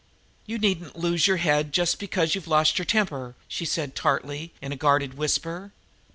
"You needn't lose your head, just because you've lost your temper!" she said tartly, in a guarded whisper.